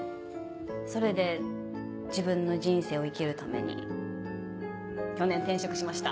それで自分の人生を生きるために去年転職しました。